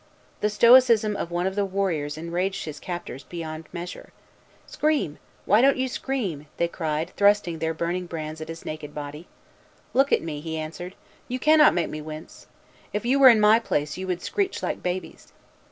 The stoicism of one of the warriors enraged his captors beyond measure. "Scream! why don't you scream?" they cried, thrusting their burning brands at his naked body. "Look at me," he answered; "you cannot make me wince. If you were in my place, you would screech like babies."